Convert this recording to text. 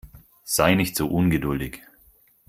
Sei nicht so ungeduldig.